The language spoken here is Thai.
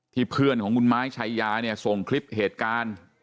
เพื่อนของคุณไม้ชายาเนี่ยส่งคลิปเหตุการณ์